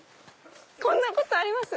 こんなことあります